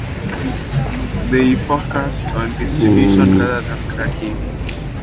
They focused on distribution rather than cracking.